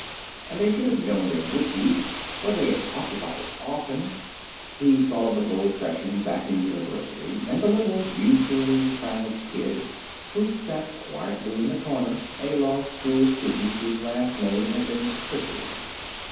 And they should have known there would be, for they had talked about it often. He thought of the bull session back in university and the little, usually silent kid who sat quietly in the corner, a law school student whose last name had been Pritchard.